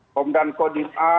komdan kodim a